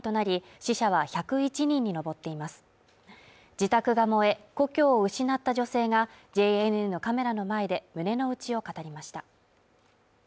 自宅が燃え故郷を失った女性がＪＮＮのカメラの前で胸のうちを語りました